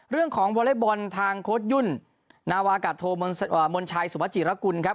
วอเล็กบอลทางโค้ชยุ่นนาวากาโทมนชัยสุวจิรกุลครับ